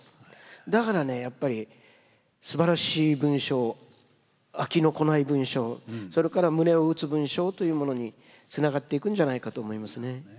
だからねやっぱりすばらしい文章飽きの来ない文章それから胸を打つ文章というものにつながっていくんじゃないかと思いますね。